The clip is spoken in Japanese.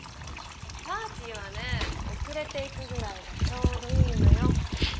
パーティーはね遅れて行くぐらいがちょうどいいのよ。